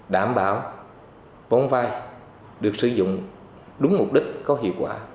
đảm bảo vốn vai được sử dụng đúng mục đích có hiệu quả